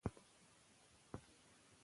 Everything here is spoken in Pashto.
که چادري واغوندو نو پرده نه ماتیږي.